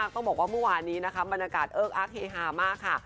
ต้องบอกว่าเมื่อวานนี้นะคะบรรยากาศเอิกอักเฮฮามากค่ะ